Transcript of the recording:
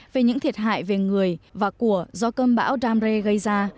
về những thiệt hại về người và của do cơm bão damre gây ra